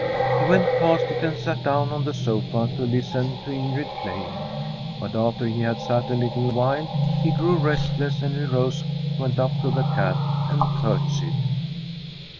He went past it, and sat down on the sofa to listen to Ingrid playing. But after he had sat a little while he grew restless, and he rose, went up to the cat, and curtsied.